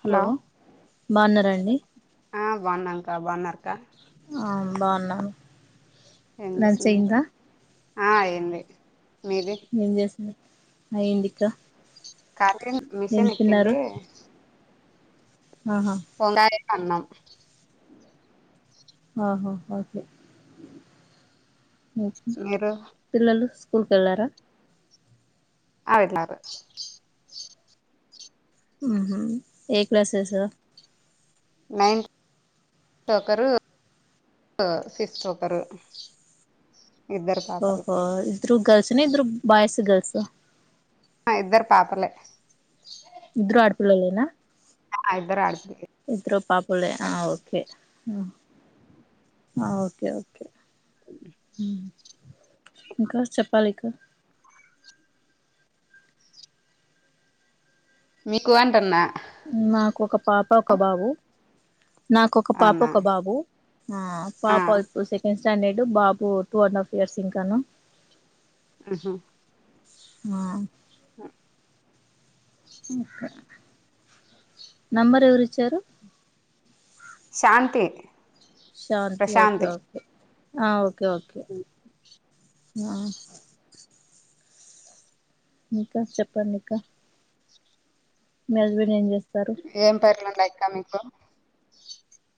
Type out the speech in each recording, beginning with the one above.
Hello బాగున్నారాండి ఆ బాగున్నా అక్క బాగున్నారా అక్క ఆ బాగున్నాను ఏం లంచ్ చేస్తున్నారు అయిందా ఆ ఏం లే మీది ఏం చేసారు అయ్యంది ఇకా కారుగిన్ మిషన్ ఎక్కింటే ఆ పొంగాలి కన్నం ఆహా ఓకే ఉహు మీరు పిల్లలు స్కూల్కి వెళ్ళారా ఆ వెళ్లారు ఏమో ఏ క్లాసస్ ఆ నైన్త్ ఒకరు సిక్స్త్ ఒకరు ఇద్దరు పాపలు ఓహో ఇద్దరూ గర్ల్స్ ను ఇద్దరు బాయ్స్ గర్ల్స్ ఆ ఆ ఇద్దరు పాపలే ఇద్దరు ఆడపిలల్లేనా ఆ ఇద్దరు ఆడపిల్లలే ఇద్దరు పాపులే ఆ ఓకే ఆ ఓకే ఓకే ఊ ఇంకా చెప్పాలి ఇక మీకు అంటున్నా నాకు ఒక పాప ఒక బాబు నాక ఒక పాప అవునా ఒక బాబు ఆ ఆ పాప ఇప్పుడు సెక్ టెన్ స్టాండర్డ్ బాబు టూ అండ్ హాఫ్ ఇయర్ ఇంకాను ఆహా ఆ ఆ ఇంకా నంబర్ ఎవరు ఇచ్చారు శాంతి శాంతి ఓకే ప్రశాంతి ఓకే ఆ ఓకే ఓకే ఆ ఇంకా చెప్పండి అక్క మీ హస్బెండ్ ఏం చేస్తారు ఏం పేర్లు లెక్క మీకు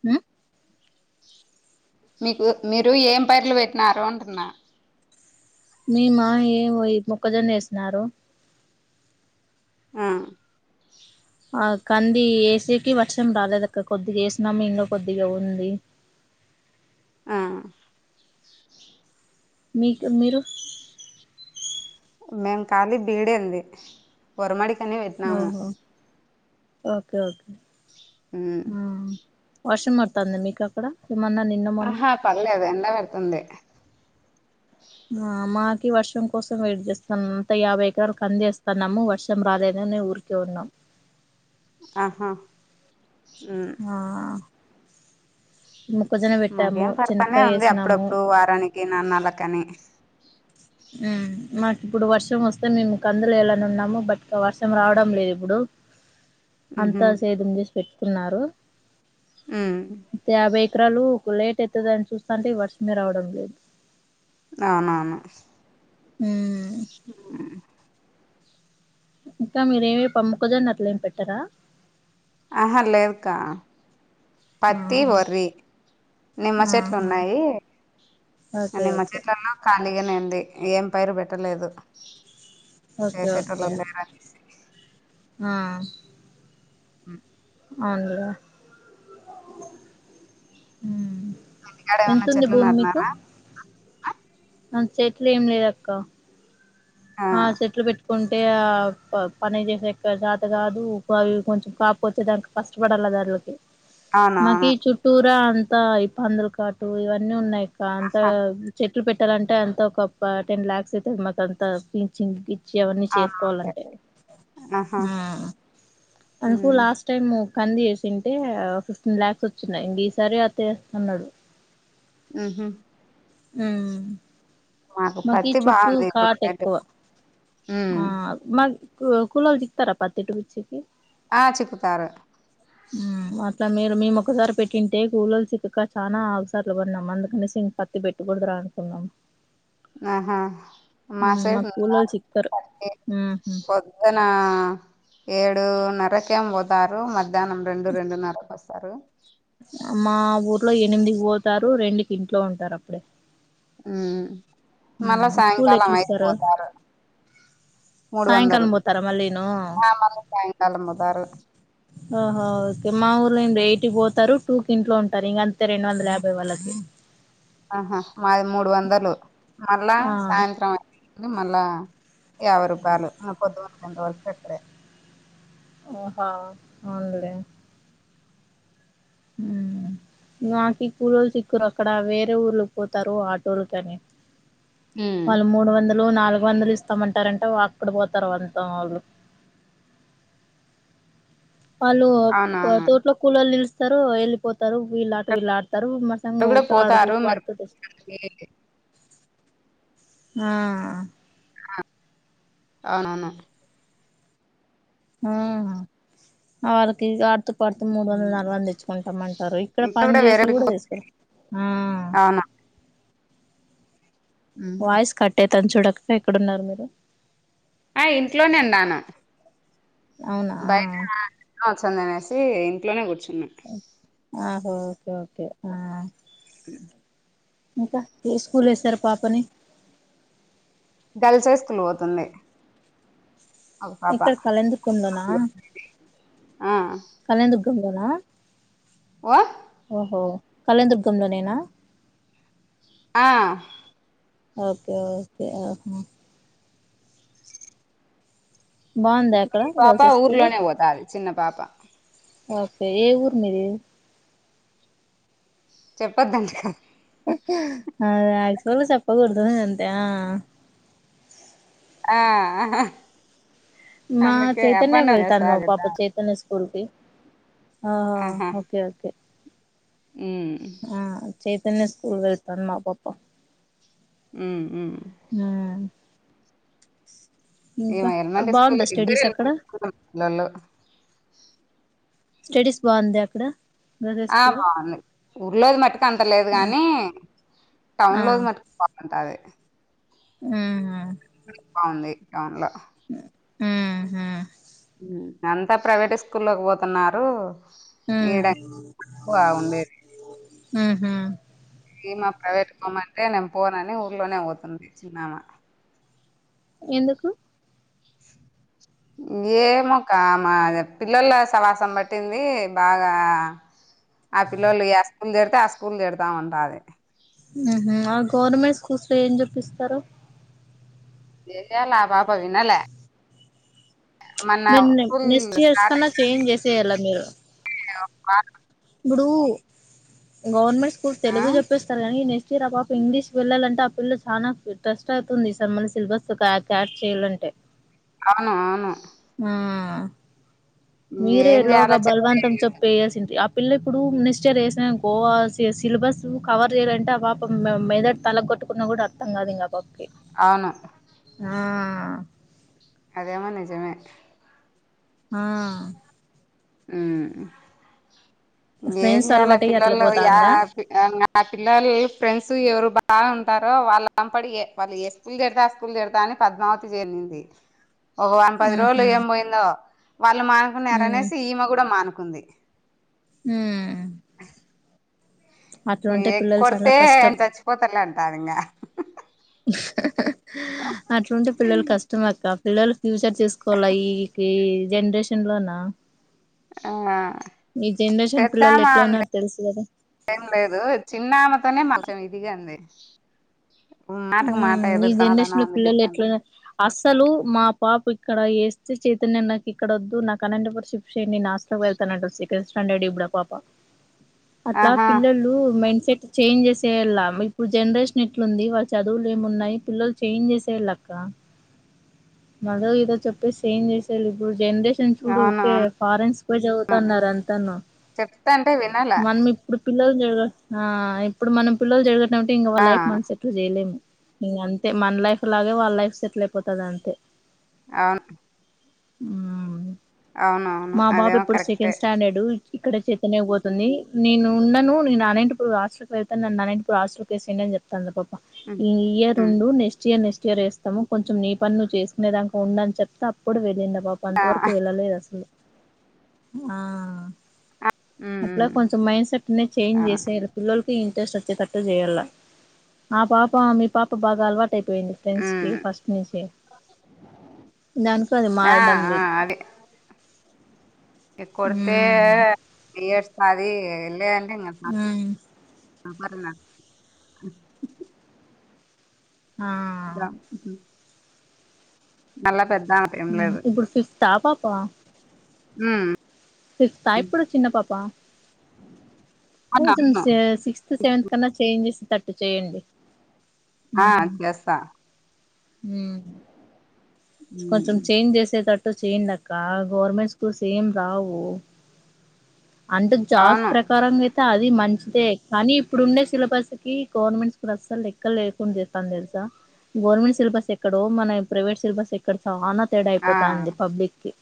ఉ మీకు మీరు ఏం పైర్లు పెట్టినారు అంటున్న మీ మా ఏమో యి మొక్కజొన్న వేసినారు ఆ ఆ కంది ఏసీకి వర్షం రాలేదు అక్క కొద్దిగా వేసినము ఇంక కొద్దిగా ఉంది ఆ మీకు మీరు మేము ఖళీ బీడంది ఉరమడికని పెట్నాము ఓహో ఓకే ఓకే ఉ ఆ. వర్షం పడుతాందా మీకు అక్కడ ఏమన్నా నిన్న మొన్న ఆహా పడ్లేదు ఎండ కొడుతుంది ఆ మాకి వర్షం కోసం వెయిట్ చేస్తాన నూట యాభై ఎకరాలు కందివేస్తున్నాము వర్షం రాలేదని ఊరి ఉన్నాం ఆహా ఉ ఆ మొక్కజొన్న పెట్టాము మాకేం పడతనే చెనక్కాయ ఉంది వేసినాము అప్పుడప్పుడు వారానికి నెలనెలకని హు మాకి ఇప్పుడు వర్షం వస్తే మేము కందులెయ్యాలని ఉన్నాము బట్ వర్షం రావడం లేదు ఇప్పుడు అంత సేధం చేసి పెట్టుకున్నారు ఇంకా యాభై ఎకరాలు లేట్ అయితది అని చూస్తాంటే ఈ వర్షమే రావడం లేదు అవునవును ఉమ్ హు ఇంకా మీరేమి ప మొక్కజొన్న అట్ల ఏం పెట్టరా అహా లేదుకా ఆ పత్తి వర్రీ నిమ్మ ఆహా చెట్లున్నాయి ఆ ఓకే నిమ్మ ఓకే చెట్లలో ఖాళీగానే ఉంది ఏం పైరు పెట్టలేదు ఓకే చేసేటోళ్ళు ఓకే లేరని ఆ ఉ అవునులే ఉమ్ ఇంటికాడ ఏమన్నా ఎంతుంది చెట్లు భూమి మీకు నాటినారా నాకు చెట్లు ఏం లేదక్క ఆ చెట్లు పెట్టుకుం టె ఆ పని చేసేకి చాతకాదు అవి కొంచెం కాపొచ్చేదానికి కష్టపడాలి [unintelligible] మాకీ అవునవును చుట్టూరా అంతా ఈ పందుల కాటు ఇవన్నీ ఉన్నాయి అంత చెట్లు పెట్టాలంటే అంత ఒక టెన్ లాక్స్ అయితది మాకు అంతా ప్లీచింగ్ గి చ్చి అవన్నీ చేసుకోవాలంటే అవునవును ఆహా హు అందుకు ఉమ్ లాస్ట్ స్ట్ టైం కంది ఏసుంటే ఓ ఫిఫ్టీన్ ల్యాక్స్ వచ్చినయి ఇంగ ఈ సారి అదే ఏస్తున్నడు ఊహు ఉమ్ మాకు పత్తి బాగుంది ఇప్పుడు కాట్ రేటు ఎక్కువ ఆ మాక్ కూ కూలోళ్ళు చిక్కుతరా పత్తిటు గుచ్చికి ఆ చిక్కుతారు ఉ అట్లా మీరు మేము ఒకసారి పెట్టింటే కూలోళ్ళు చిక్కక చాలా అవసార్లు పడినం అందుకని పెట్టుకూడదురా అనుకున్నాం ఆహా మాసైడ్ మాకు కూలోళ్ళు ఉన్నరు చిక్కరు పత్తి అవునా ఏడున్నర ఏమో పోతారు మధ్యాహ్నం రెండు రెండన్నర కొస్తారు మా ఊర్లో ఎనిమిదికి పోతారు రెండుకి ఇంట్లో ఉంటారు అప్పుడే ఉ మళ్ళా కూలి సాయంకాలం ఎట్ల అయిదుకు ఇస్తారు పోతారు మూడు వందలు సాయంకాలం పోతారా మళ్ళీను ఆ మళ్ళీ సాయంకాలం పోతారు ఓహొ ఓకే మా ఊర్లోండు ఎయిట్ పోతారు టూ కి ఇంట్లో ఉంటారు ఇంక అంతే రెండు వందల యాభై వాళ్ళకి ఆహా మాది మూడు వందలు మళ్ళా ఆ సాయంత్రం అయింది ఐదు మళ్ళా యాభై రూపాలు పొదుగుకే వరకు ఇక్కడే ఓహా అవునలే ఉ నాకు కూలోలు చిక్కురు అక్కడ వేరే ఊర్ళకి పోతారు ఆటోలకని ఉమ్, వాళ్ళు మూడు వందలు నాలుగు వందలు ఇస్తామంటారంట వక్కడా పోతారు అంతా వాళ్లు. వాళ్ళు అవునవును తోట్లో కూలోల్లు పిలుస్తారు వెళ్ళిపోతారు వీళ్ళలాట వీళ్లు ఆడతారు మా ఆ వారు కూడా నూర్తాడుగు పోతారు మరి పడుతు చేస్ ఆ అ అవునవును అ అళ్లకి ఆడుతూ పడుతు మూడు వందలు నాలుగు వందలు తెచ్చుకుంటాంమంటారు ఇక్కడ ఇంకా పనిచేసే వేరేరికి కూడా చేసుకున్ ఆ. అవును వాయిస్ కట్ అయితాంది చూడు అక్క ఎక్కడున్నారు మీరు. ఆ ఇంట్లోనే ఉన్నాను. అవునా. బయట వచ్చందనేసి ఇంట్లోనే కూర్చున్నా. ఆహో ఓకే ఓకే ఆ ఇంకా హైస్కూల్లో ఎస్తారు పాపని గర్ల్స్ హైస్కూల్ పోతుంది. అవ్ పాప ఎక్కడ కళందుర్గంలోనా ఆ కనదుర్గంలోన ఆ ఓహో కల్లెదుర్గంలోనేనా ఆ. ఓకే ఓకే ఉమ్ బాగుంది అక్కడ మీ పాప గర్ల్స్ హై స్కూల్ ఊర్లోనే పోతాది చిన్న పాప ఓకే ఏ ఊరు మీది. చెప్పొద్దంట కదా అదే ఆక్చవల్ చెప్ప కూడదు అంతే ఆ ఆహ. మా చైతన్య డౌన్ వెళ్తాడు మా చేస్తాది పాప చేత్ చైతన్య స్కూల్ కి ఆ ఓకే ఓకే. ఊమ్. ఆ చైతన్య స్కూల్ వెళ్తాది మా పాప. ఉమ్ ఉమ్ ఆ ఇంకా బాగుందా స్టడీస్ అక్కడ. నన్ను స్టడీస్ బాగుందా అక్కడ. గర్ల్స్ హై ఆ స్కూల్ బాగుంది ఊర్లోది మట్టుకు అంత లేదు ఆ గాని టౌన్ లోది మట్టుకు బాగు ఉంటాది ఉహూ బాగుంది టౌన్ లో. మ్ హ్. అంతా ప్రైవేట్ స్కూల్లోకి పోతున్నారు. ఈడ ఎక్కువ ఉండేది. మ్ హు ఈమా ప్రైవేట్ కి పోమ్మంటే నేను పోనని ఊర్లోనే పోతుంది చిన్నామ. ఎందుకు? ఏమో క మా పిల్లొల్ల సావాసం పట్టింది బాగా. ఆ పిల్లోల్లు ఏ స్కూల్ జేరితే ఆ స్కూల్ జేరదాం అంటాది. మ్ హు ఆ గవర్నమెంట్ స్కూల్స్ లో ఏం చెప్పిస్తారు? ఏయాలా ఆ పాప వినల. Mean school next years start కన్నా చేంజ్ చేసేయల్ల మీరు. [unintelligible] ఇప్పుడు గవర్నమెంట్ స్కూల్ ఆ తెలుగు చెప్పేస్తారు కానీ నె చీరకు ఆ పాప ఇంగ్లీష్ వెళ్ళాలంటే ఆ పిల్ల చాల ట్రెస్ట్ అవుతుంది ఈసారి మళ్లీ సిలబస్ క్యాచ్ చేయాలంటే. అవును అవును. మ్ మీరే ఏం చేయాలో ఈలోగా చెప్పి బలవంతం చెప్ పేయాల్సింది ఆ పిల్ల ఇప్పుడు నెక్స్ట్ ఇయర్ వేసినావనుకో సిలబస్ కవర్ చేయాలంటే ఆ పాప మే మెదర్ తల కొట్టుకున్నా కూడా అర్థం కాదు ఇంక ఆ పాపకి అవును ఆ అదేమో నిజమే. ఆ మ్ ఇంగేం ఫ్రెండ్స్ చెయ్యలా అలవాటయ్యి అట్లా పిల్లల్లు యా పోతాందా ఇంగ ఆ పిల్లలు ఫ్రెండ్స్ ఎవరు బాగా ఉంటారో వాళ్ళు అం పడిగ వాళ్ళు చేస్ స్కూల్ చేరతా స్కూల్ చేరతా అని పద్మావతి చేరింది ఒక వం పది రోజులు ఉహు ఏం పోయిందో వాళ్ళు ఉమ్ మానుకున్నారనేసి, ఈమె కూడా మానుకుంది. మ్ అట్లుంటే ఏ పిల్లలు చాలా కొడితే కష్టం నేన్ చచ్చిపోతలే అంటాది ఇంక. అట్లుంటే పిల్లలు కష్టం అక్క. పిల్లలు, ఫ్యూచర్ చూసుకోవాలి ఈ కి జనరేషన్ లోన ఆ ఈ జనరేషన్ పిల్లలు పెద్దామ ఎట్లా అంత ఉన్నారు తెలుసు కదా ఏం లేదు చిన్నమతోనే మంచం ఇదిగా అంది మ్ ఈ సమాధానం జనరేషన్ లో అందుకు పిల్లలు ఇస్తాంటా ఎట్ల అస్సలు మా పాప ఇక్కడ వేస్తే చైతన్య నాకు ఇక్కడ వద్దు నాకు అనంతపూర్ షిఫ్ చే నేను హాస్టల్ కి వెళ్తానంటది సెకండ్ స్టాండర్డ్ ఇప్పుడు ఆ పాప. అట్లా ఆహా పిల్లలు మైండ్ సెట్ చేంజ్ చేసేయల్ల ఇప్పుడు జనరేషన్ ఎట్లుంది వాళ్ చదువులు ఏమున్నాయి పిల్లలు చేంజ్ చేసేయల్ల అక్క మద ఇదో చెప్పేసి చేంజ్ చేసేయల్ల ఇప్పుడు జనరేష్ షన్ చూడు ఊకె అవునవును ఫారెన్స్ పోయి చదువుతన్నారు అంతాను చెప్తాంటే వినాల మనమిప్ ఇప్పుడు పిల్లలు చాడగొడ ఆ ఇప్పుడు మనం పిల్లొల్లని చెడగొట్టినామంటే, ఇంకా వాళ్ల ఆ లైఫ్ మనం సెటిల్ చేయలేము ఇంగ అంతే మన లైఫ్ లాగే వాళ్ళ లైఫ్ సెటిల్ అయిపోతది అంతే. అవును అవునవును మా బాబు అదేమో ఇప్పుడు కరెక్టే సెకండ్ స్టాండర్డు ఇక్కడ చేతన్య కు పోతుంది. నేను ఉండను న నాన్నంటి ఇప్పుడు రాష్ట్ర వెళ్తాను నా నాన్నప్పుడు రాష్ట్ర [unintelligible] అని చెప్తాంది పాప ఉమ్, ఈ ఇయర్ ఉమ్, ఉండు నెక్స్ట్ ఇయర్ నెక్స్ట్ ఇయర్ అని మము కొంచెం నీ పని నువ్వుసుకునే దాకకా ఉంద అని చెప్తే అప్పుడు వెళ్ళిండ పాప అంత ఆ వరకు వెళ్ళలేదు. అసలు ఆ ఉమ్, ఉమ్, అట్లే కొంచెం మైండ్ సెట్నే చేంజ్ ఆ చేసి పిల్లకి ఇంట్రెస్ట్ వచ్చేటట్టు చేయాల మా పాప మీ పాప బాగా అలవాటయిపోయింది టెన్స్ ఉమ్, కి ఫస్ట్ నుంచి దానికి అది ఆ మారడం ఆ లేదు ఇ కొడుతే ఉమ్ బీయడ్స్ మది హ్ పలే ఆ అ మళ్ళా పెద్ద ఆమె ఏం లేదు ఇప్పుడు ఫిఫ్తా పాపా ఉ ఫిఫ్తా ఇపుడు చిన్న పాపా అవును కొంచెం అవును సిక్స్త్ సెవెంత్ కన్నా చేంజ్ చేసేటట్టు చేయండి ఆ ఉహ్ చేస్తా హ్ కొంచెం ఉమ్, చేంజ్ చేసేటట్టు చేయండి. ఆక్క గవర్నమెంట్ స్కూల్స్ ఏం రావు అంటె జాస్ అవును ప్రకారంగా అది మంచిదే కానీ ఇప్పుడుండే సిలబస్ కి గవర్నమెంట్ స్కూల్ అస్సలు లెక్కలు లేకుండా చేస్తాం తెలుసా గవర్నమెంట్ సిలబస్ ఎక్కడో మన ప్రైవేట్ సిలబస్ ఎ ఇక్కడ చనా తేడా ఆ అయిపోతాంది పబ్లిక్ కి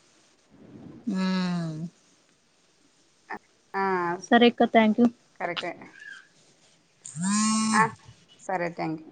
ఆ సరే ఆక్క థ్యాంక్ యూ కరెక్ట్ ఆ సరే థ్యాంక్ యూ